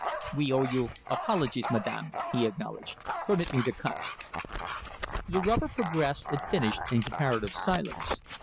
"We owe you apologies, madam," he acknowledged. "Permit me to cut." The rubber progressed and finished in comparative silence.